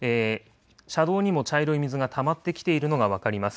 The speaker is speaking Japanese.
車道にも茶色い水がたまってきているのが分かります。